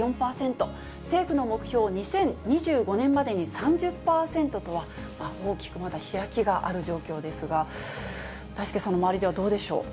政府の目標、２０２５年までに３０％とは、まだ大きくまだ開きがある状況ですが、だいすけさんの周りではどうでしょう？